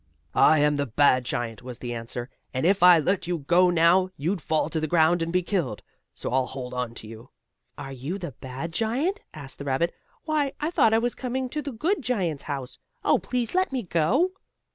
"I am the bad giant," was the answer, "and if I let you go now you'd fall to the ground and be killed. So I'll hold on to you." "Are you the bad giant?" asked the rabbit. "Why, I thought I was coming to the good giant's house. Oh, please let me go!"